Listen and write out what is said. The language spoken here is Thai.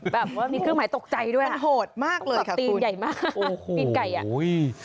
แบบว่ามีเครื่องหมายตกใจด้วยมันโหดมากเลยครับคุณตับตีนใหญ่มากตีนไก่